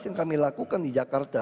yang kami lakukan di jakarta